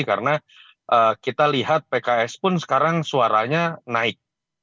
karena kita lihat pks pun sekarang suaranya naik